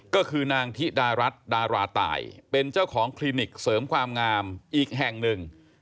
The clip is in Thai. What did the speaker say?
ก็คือนางธิดารัฐดาราตายเป็นเจ้าของคลินิกเสริมความงามอีกแห่งหนึ่ง